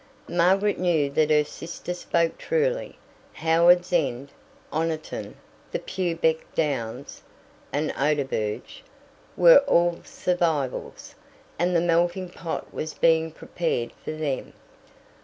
Margaret knew that her sister spoke truly. Howards End, Oniton, the Purbeck Downs, the Oderberge, were all survivals, and the melting pot was being prepared for them.